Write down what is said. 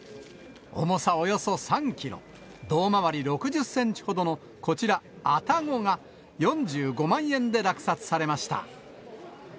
重さおよそ３キロ、胴回り６０センチほどの、こちら、愛宕が、４５万円で落札されました。